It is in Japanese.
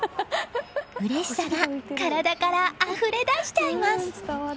うれしさが体からあふれ出しちゃいます。